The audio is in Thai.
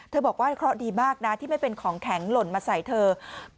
เธอบอกว่าเขาดีมากนะที่ไม่เป็นของแข็งหล่นมาใส่เถอะ